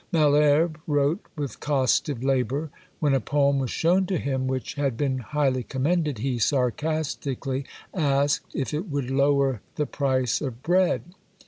Malherbe wrote with costive labour. When a poem was shown to him which had been highly commended, he sarcastically asked if it would "lower the price of bread?"